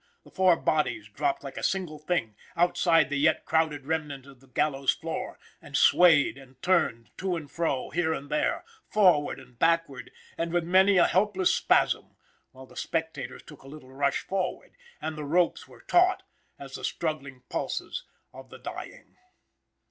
The four bodies dropped like a single thing, outside the yet crowded remnant of the gallows floor, and swayed and turned, to and fro, here and there, forward and backward, and with many a helpless spasm, while the spectators took a little rush forward, and the ropes were taut as the struggling pulses of the dying.